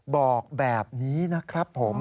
บอกแบบนี้นะครับผม